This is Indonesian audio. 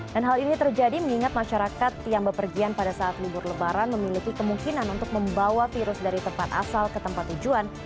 dan hal ini terjadi mengingat masyarakat yang berpergian pada saat libur lebaran memiliki kemungkinan untuk membawa virus dari tempat asal ke tempat tujuan